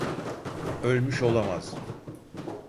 Ölmüş olamaz.